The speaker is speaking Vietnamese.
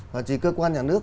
và chỉ cơ quan nhà nước